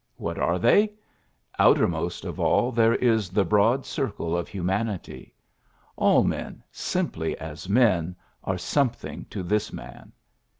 What are they ? Outermost of all there is the broad circle of humanity. All men, simply as men, are something to this man.